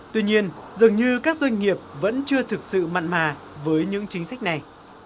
tuy nhiên dường như các doanh nghiệp vẫn chưa thực sự mặn mà với những chính sách này